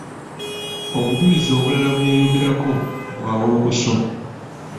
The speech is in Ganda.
Obujulizi obulala bwe bayogerako bwa wolokoso.